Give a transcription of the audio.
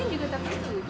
ini juga terbit